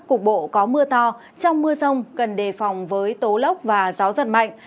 cục bộ có mưa to trong mưa rông cần đề phòng với tố lốc và gió giật mạnh